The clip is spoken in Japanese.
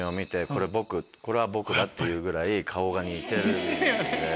「これは僕だ」って言うぐらい顔が似てるんで。